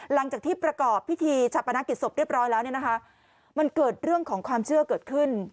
หลังจากที่ประกอบพิธีชาปนกิจศพเรียบร้อยแล้วเนี่ยนะคะมันเกิดเรื่องของความเชื่อเกิดขึ้น